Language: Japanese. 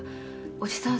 おじさん